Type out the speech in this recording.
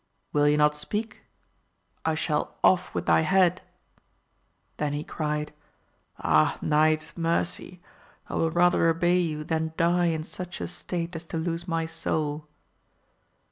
— Will you not speak — I shall off with thy head] Then he cried, Ah knight, mercy ! I will rather obey you than die in such a state as to lose my soul.